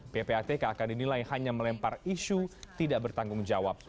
ppatk akan dinilai hanya melempar isu tidak bertanggung jawab